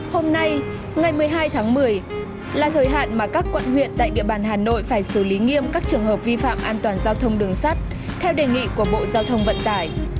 hôm nay ngày một mươi hai tháng một mươi là thời hạn mà các quận huyện tại địa bàn hà nội phải xử lý nghiêm các trường hợp vi phạm an toàn giao thông đường sắt theo đề nghị của bộ giao thông vận tải